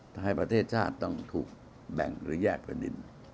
ถ้าให้ประเทศชาติต้องถูกแบ่งระยะกว่านิด